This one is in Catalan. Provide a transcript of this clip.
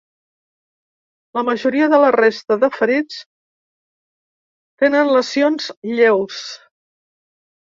La majoria de la resta de ferits tenen lesions lleus.